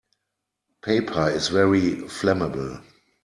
Paper is very flammable.